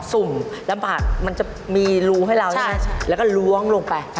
สุ่มแล้วปลามันจะมีรูไล่ให้เรานี่แล้วก็ล้วงลงไป